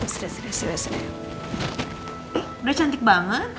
sudah cantik banget